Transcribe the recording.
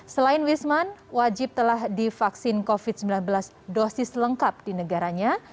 selain wisman wajib telah divaksin covid sembilan belas dosis lengkap di negaranya